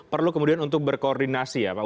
perlu kemudian untuk berkoordinasi ya pak